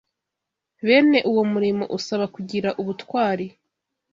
Bene uwo murimo usaba kugira ubutwari